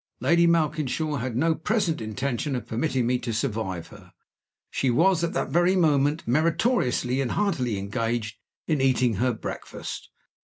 Lady Malkinshaw had no present intention of permitting me to survive her. She was, at that very moment, meritoriously and heartily engaged in eating her breakfast.